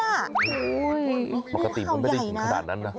โอ้โฮปกติมันไม่ได้ถึงขนาดนั้นนะงูเห่าใหญ่นะ